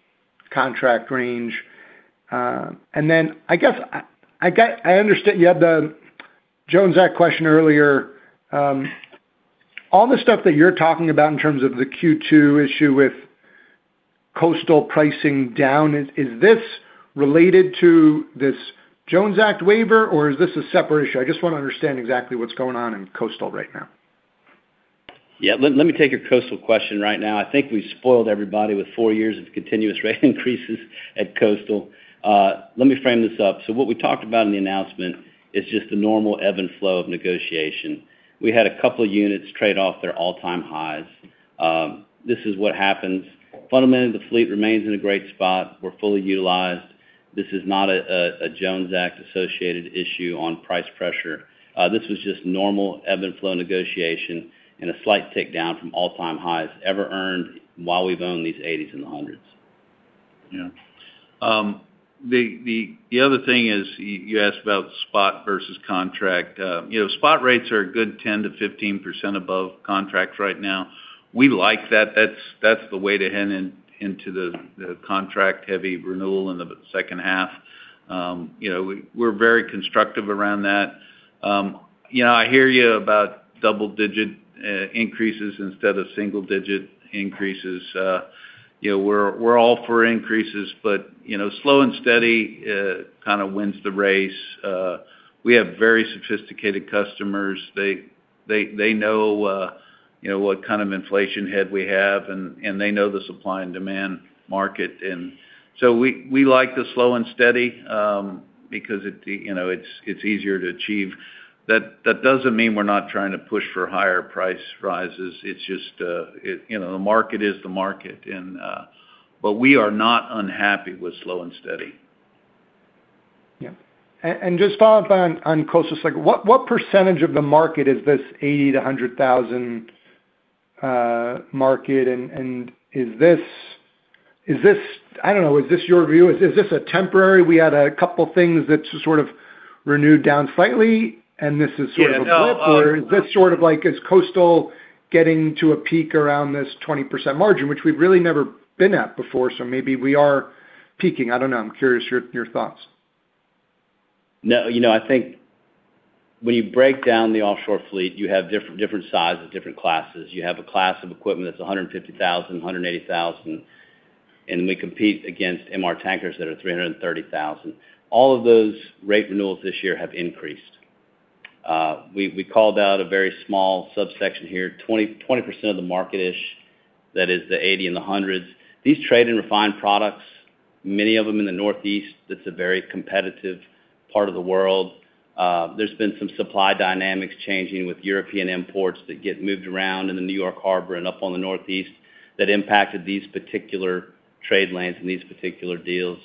contract range? I guess I understand you had the Jones Act question earlier. All the stuff that you're talking about in terms of the Q2 issue with coastal pricing down, is this related to this Jones Act waiver, or is this a separate issue? I just want to understand exactly what's going on in coastal right now. Yeah, let me take a coastal question right now. I think we've spoiled everybody with four years of continuous rate increases at coastal. Let me frame this up. What we talked about in the announcement is just the normal ebb and flow of negotiation. We had a couple units trade off their all-time highs. This is what happens. Fundamentally, the fleet remains in a great spot. We're fully utilized. This is not a Jones Act-associated issue on price pressure. This was just normal ebb and flow negotiation and a slight tick down from all-time highs ever earned while we've owned these 80s and the 100s. Yeah. The other thing is you asked about spot versus contract. Spot rates are a good 10%-15% above contract right now. We like that. That's the way to head into the contract-heavy renewal in the second half. We're very constructive around that. I hear you about double-digit increases instead of single-digit increases. We're all for increases, but slow and steady kind of wins the race. We have very sophisticated customers. They know what kind of inflation head we have, and they know the supply and demand market. We like the slow and steady because it's easier to achieve. That doesn't mean we're not trying to push for higher price rises. It's just the market is the market. We are not unhappy with slow and steady. Just follow up on coastal. What % of the market is this 80,000-100,000 market? I don't know, is this your view? Is this a temporary, we had a couple of things that sort of renewed down slightly, and this is sort of a blip? Yeah, no. Is this sort of like, is coastal getting to a peak around this 20% margin, which we've really never been at before, so maybe we are peaking? I don't know. I'm curious your thoughts. I think when you break down the offshore fleet, you have different sizes, different classes. You have a class of equipment that's 150,000, 180,000, and we compete against MR tankers that are 330,000. All of those rate renewals this year have increased. We called out a very small subsection here, 20% of the market-ish. That is the 80 and the 100s. These trade and refined products. Many of them in the Northeast, that's a very competitive part of the world. There's been some supply dynamics changing with European imports that get moved around in the New York Harbor and up on the Northeast that impacted these particular trade lanes and these particular deals.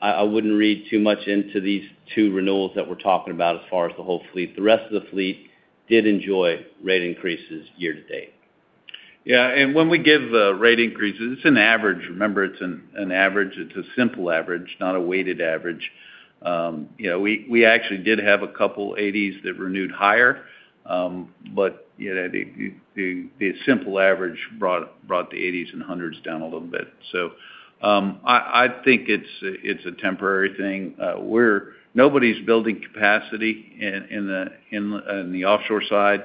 I wouldn't read too much into these two renewals that we're talking about as far as the whole fleet. The rest of the fleet did enjoy rate increases year to date. When we give rate increases, it's an average. Remember, it's an average. It's a simple average, not a weighted average. We actually did have a couple 80s that renewed higher. The simple average brought the 80s and 100s down a little bit. I think it's a temporary thing. Nobody's building capacity in the offshore side.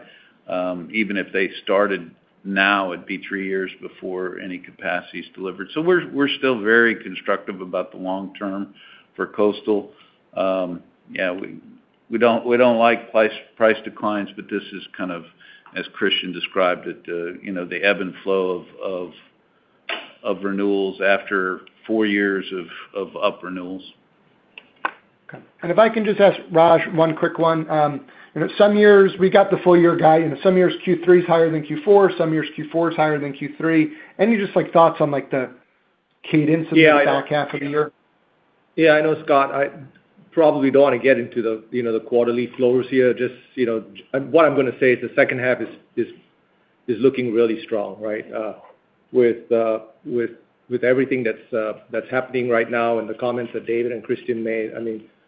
Even if they started now, it'd be three years before any capacity is delivered. We're still very constructive about the long term for coastal. We don't like price declines, but this is kind of, as Christian described it, the ebb and flow of renewals after four years of up renewals. If I can just ask Raj one quick one. We got the full-year guide. Some years Q3 is higher than Q4, some years Q4 is higher than Q3. Any just thoughts on the cadence of the back half of the year? Yeah, I know, Scott. I probably don't want to get into the quarterly flows here. Just what I'm going to say is the second half is looking really strong, right? With everything that's happening right now and the comments that David and Christian made,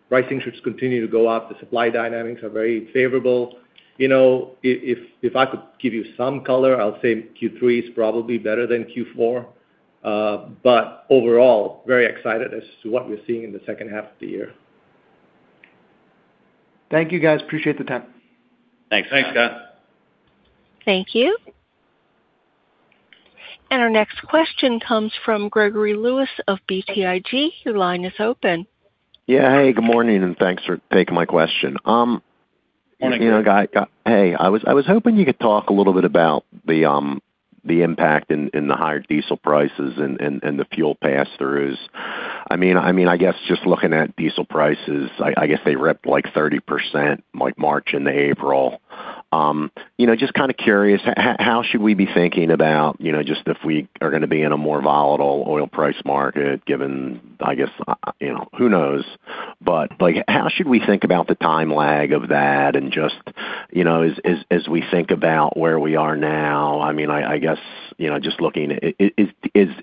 pricing should continue to go up. The supply dynamics are very favorable. If I could give you some color, I'll say Q3 is probably better than Q4. Overall, very excited as to what we're seeing in the second half of the year. Thank you, guys. Appreciate the time. Thanks, Scott. Thanks. Thank you. Our next question comes from Gregory Lewis of BTIG. Your line is open. Yeah. Hey, good morning, thanks for taking my question. Morning, Greg. Hey. I was hoping you could talk a little bit about the impact in the higher diesel prices and the fuel pass-throughs. I guess just looking at diesel prices, they ripped 30% March into April. Just kind of curious, how should we be thinking about if we are going to be in a more volatile oil price market given, who knows? How should we think about the time lag of that and as we think about where we are now. Looking, is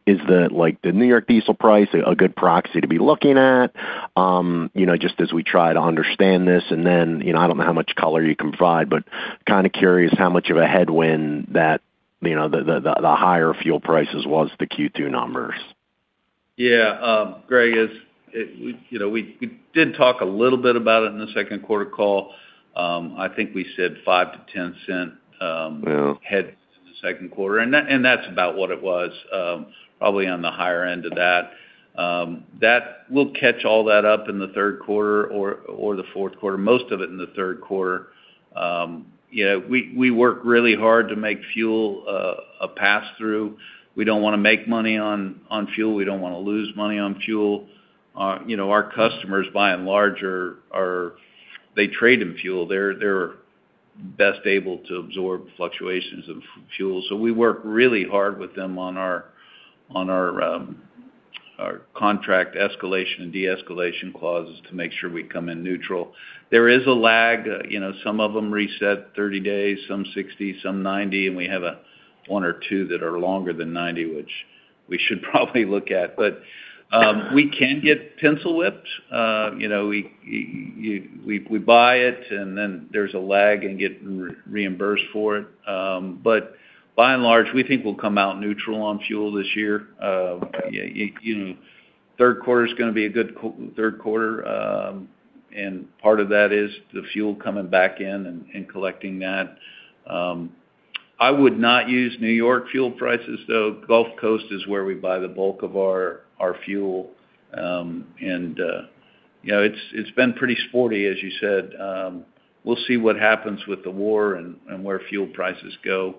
the New York diesel price a good proxy to be looking at as we try to understand this? Then, I don't know how much color you can provide, but kind of curious how much of a headwind that the higher fuel prices was the Q2 numbers. Yeah. Greg, we did talk a little bit about it in the second quarter call. I think we said five to 10 cent Yeah Head to the second quarter, that's about what it was. Probably on the higher end of that. We'll catch all that up in the third quarter or the fourth quarter, most of it in the third quarter. We work really hard to make fuel a pass-through. We don't want to make money on fuel. We don't want to lose money on fuel. Our customers, by and large, they trade in fuel. They're best able to absorb fluctuations of fuel. We work really hard with them on our contract escalation and de-escalation clauses to make sure we come in neutral. There is a lag. Some of them reset 30 days, some 60, some 90, and we have one or two that are longer than 90, which we should probably look at. We can get pencil whipped. We buy it and then there's a lag and get reimbursed for it. By and large, we think we'll come out neutral on fuel this year. Third quarter's going to be a good third quarter, and part of that is the fuel coming back in and collecting that. I would not use New York fuel prices, though. Gulf Coast is where we buy the bulk of our fuel. It's been pretty sporty, as you said. We'll see what happens with the war and where fuel prices go.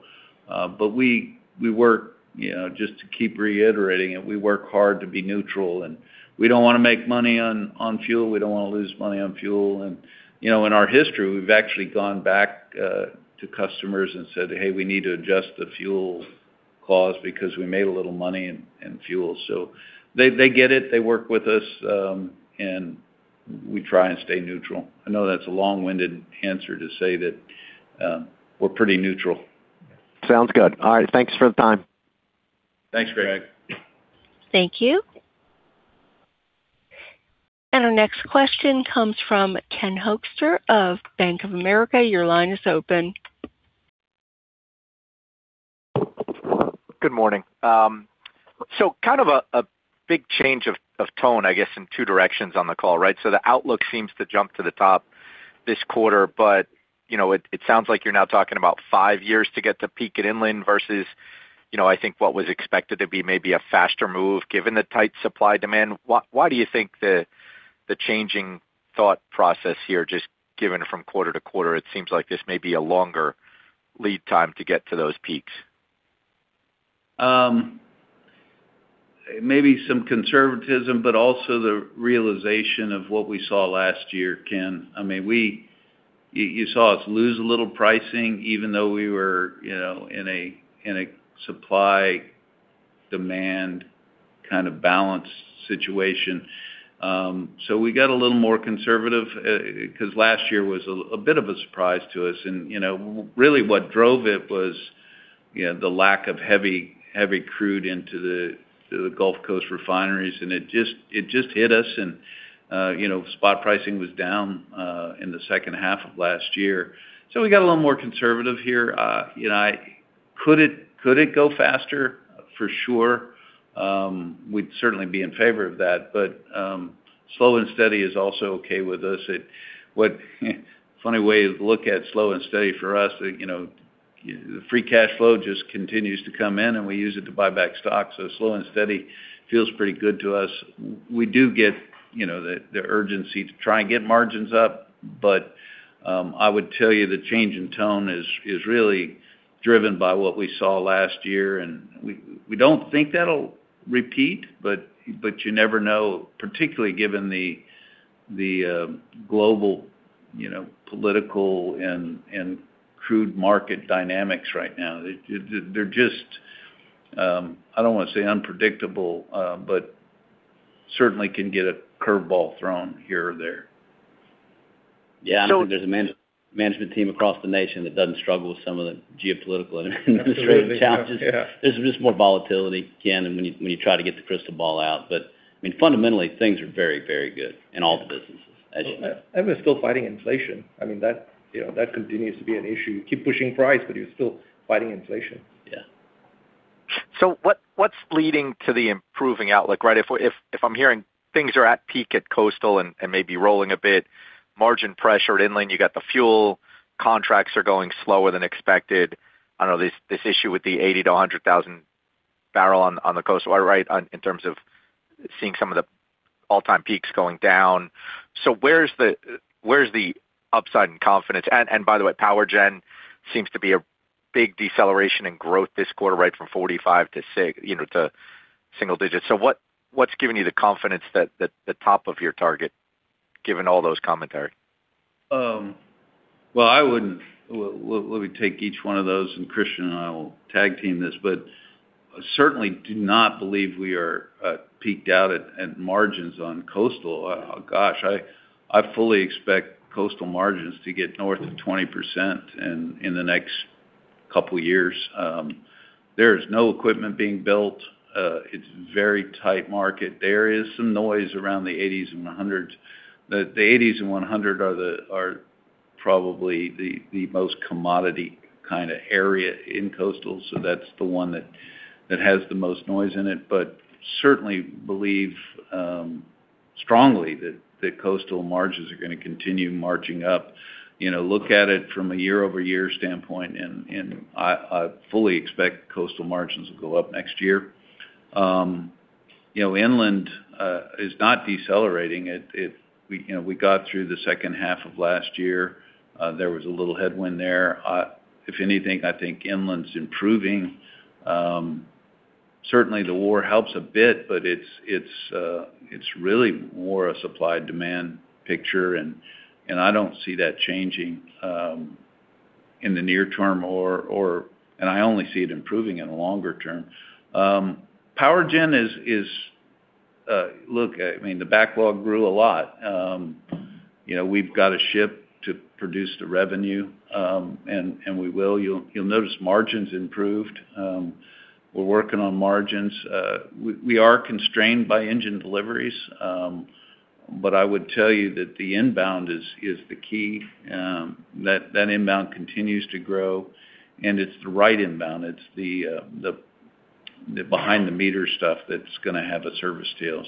Just to keep reiterating it, we work hard to be neutral, and we don't want to make money on fuel. We don't want to lose money on fuel. In our history, we've actually gone back to customers and said, 'Hey, we need to adjust the fuel clause because we made a little money in fuel.' They get it. They work with us, and we try and stay neutral. I know that's a long-winded answer to say that we're pretty neutral. Sounds good. All right. Thanks for the time. Thanks, Greg. Thank you. Our next question comes from Ken Hoexter of Bank of America. Your line is open. Good morning. Kind of a big change of tone, I guess, in two directions on the call, right? The outlook seems to jump to the top this quarter, but it sounds like you're now talking about five years to get to peak at inland versus, I think what was expected to be maybe a faster move given the tight supply demand. Why do you think the changing thought process here, just given from quarter to quarter, it seems like this may be a longer lead time to get to those peaks? Maybe some conservatism, but also the realization of what we saw last year, Ken. You saw us lose a little pricing even though we were in a supply-demand kind of balance situation. We got a little more conservative because last year was a bit of a surprise to us. Really what drove it was the lack of heavy crude into the Gulf Coast refineries, and it just hit us and spot pricing was down in the second half of last year. We got a little more conservative here. Could it go faster? For sure. We'd certainly be in favor of that, but slow and steady is also okay with us. A funny way to look at slow and steady for us, the free cash flow just continues to come in, and we use it to buy back stock. Slow and steady feels pretty good to us. We do get the urgency to try and get margins up. I would tell you the change in tone is really driven by what we saw last year, and we don't think that'll repeat, but you never know, particularly given the global political and crude market dynamics right now. They're I don't want to say unpredictable, but certainly can get a curve ball thrown here or there. Yeah, I don't think there's a management team across the nation that doesn't struggle with some of the geopolitical and administrative challenges. Absolutely. Yeah. There's just more volatility, Ken, and when you try to get the crystal ball out. Fundamentally, things are very, very good in all the businesses. We're still fighting inflation. That continues to be an issue. You keep pushing price, but you're still fighting inflation. Yeah. What's leading to the improving outlook, right? If I'm hearing things are at peak at coastal and maybe rolling a bit. Margin pressure at inland, you got the fuel contracts are going slower than expected. I know this issue with the 80,000 to 100,000 barrel on the coast, am I right, in terms of seeing some of the all-time peaks going down. Where's the upside in confidence? By the way, power gen seems to be a big deceleration in growth this quarter, right, from 45 to single digits. What's giving you the confidence that the top of your target, given all those commentary? Well, let me take each one of those, and Christian and I will tag team this. Certainly do not believe we are peaked out at margins on coastal. Gosh, I fully expect coastal margins to get north of 20% in the next couple of years. There is no equipment being built. It's a very tight market. There is some noise around the 80s and 100s. The 80s and 100 are probably the most commodity kind of area in coastal, so that's the one that has the most noise in it. Certainly believe strongly that coastal margins are going to continue marching up. Look at it from a year-over-year standpoint, and I fully expect coastal margins will go up next year. Inland is not decelerating. We got through the second half of last year. There was a little headwind there. If anything, I think inland's improving. Certainly, the war helps a bit, but it's really more a supply-demand picture, and I don't see that changing in the near term, and I only see it improving in the longer term. Power gen look, the backlog grew a lot. We've got to ship to produce the revenue, and we will. You'll notice margins improved. We're working on margins. We are constrained by engine deliveries. I would tell you that the inbound is the key. That inbound continues to grow, and it's the right inbound. It's the behind-the-meter stuff that's going to have a service deal.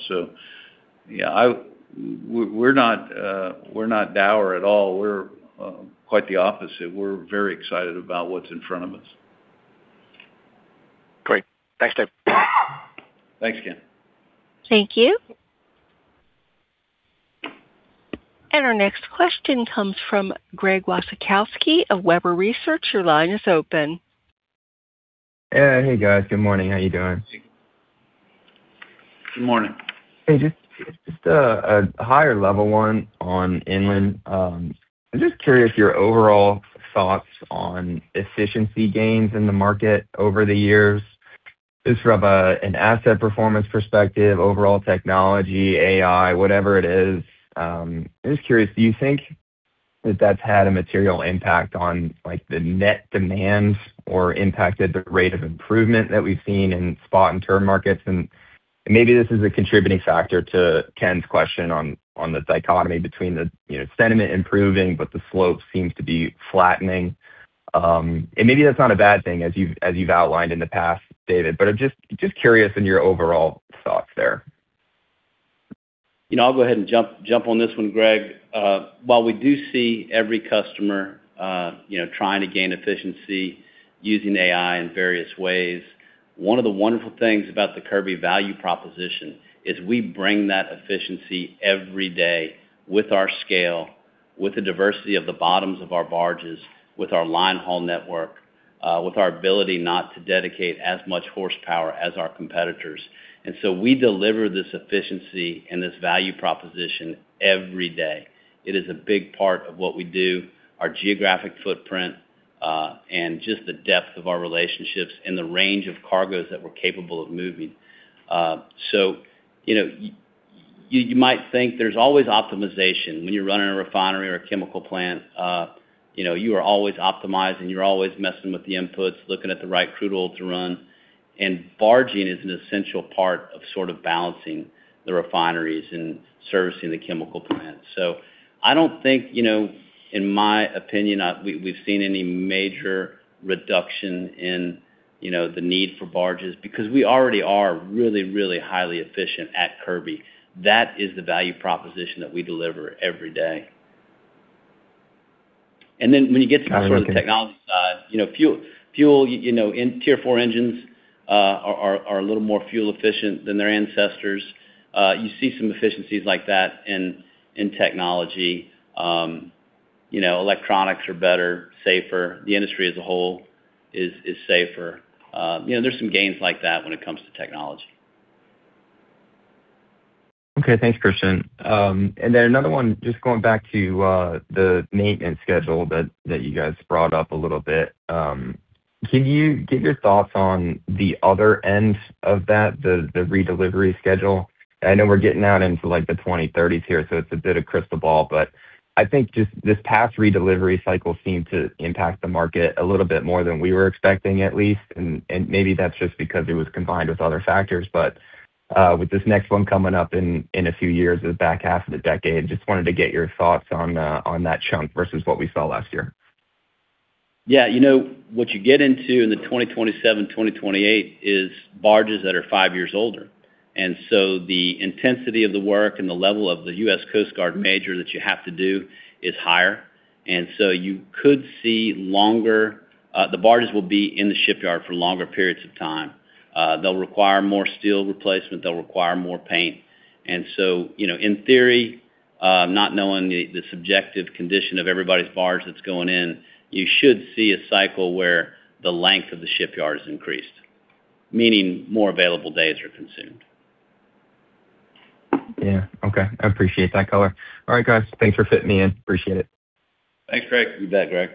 Yeah, we're not dour at all. We're quite the opposite. We're very excited about what's in front of us. Great. Thanks, Dave. Thanks, Ken. Thank you. Our next question comes from Greg Wasikowski of Webber Research. Your line is open. Yeah. Hey, guys. Good morning. How you doing? Good morning. Hey, just a higher level one on inland. I'm just curious your overall thoughts on efficiency gains in the market over the years, just from an asset performance perspective, overall technology, AI, whatever it is. I'm just curious, do you think that that's had a material impact on the net demand or impacted the rate of improvement that we've seen in spot and term markets? Maybe this is a contributing factor to Ken's question on the dichotomy between the sentiment improving, but the slope seems to be flattening. Maybe that's not a bad thing as you've outlined in the past, David, but I'm just curious on your overall thoughts there. I'll go ahead and jump on this one, Greg. While we do see every customer trying to gain efficiency Using AI in various ways. One of the wonderful things about the Kirby value proposition is we bring that efficiency every day with our scale, with the diversity of the bottoms of our barges, with our line haul network, with our ability not to dedicate as much horsepower as our competitors. We deliver this efficiency and this value proposition every day. It is a big part of what we do, our geographic footprint, and just the depth of our relationships and the range of cargoes that we're capable of moving. You might think there's always optimization when you're running a refinery or a chemical plant. You are always optimizing, you're always messing with the inputs, looking at the right crude oil to run. Barging is an essential part of sort of balancing the refineries and servicing the chemical plants. I don't think, in my opinion, we've seen any major reduction in the need for barges because we already are really, really highly efficient at Kirby. That is the value proposition that we deliver every day. Then when you get to sort of the technology side, Tier 4 engines are a little more fuel efficient than their ancestors. You see some efficiencies like that in technology. Electronics are better, safer. The industry as a whole is safer. There's some gains like that when it comes to technology. Okay. Thanks, Christian. Another one, just going back to the maintenance schedule that you guys brought up a little bit. Can you give your thoughts on the other end of that, the redelivery schedule? I know we're getting out into the 2030s here, so it's a bit of crystal ball, but I think just this past redelivery cycle seemed to impact the market a little bit more than we were expecting, at least. Maybe that's just because it was combined with other factors, but with this next one coming up in a few years, the back half of the decade, just wanted to get your thoughts on that chunk versus what we saw last year. Yeah. What you get into in the 2027, 2028 is barges that are five years older. The intensity of the work and the level of the U.S. Coast Guard major that you have to do is higher. You could see the barges will be in the shipyard for longer periods of time. They'll require more steel replacement. They'll require more paint. In theory, not knowing the subjective condition of everybody's barge that's going in, you should see a cycle where the length of the shipyard is increased, meaning more available days are consumed. Yeah. Okay. I appreciate that color. All right, guys. Thanks for fitting me in. Appreciate it. Thanks, Greg. You bet, Greg.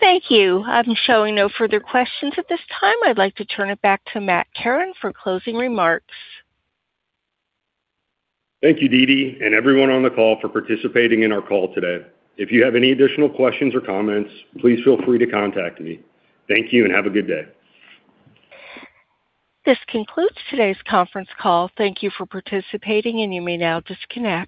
Thank you. I'm showing no further questions at this time. I'd like to turn it back to Matt Kerin for closing remarks. Thank you, Dee Dee, and everyone on the call for participating in our call today. If you have any additional questions or comments, please feel free to contact me. Thank you, and have a good day. This concludes today's conference call. Thank you for participating, and you may now disconnect.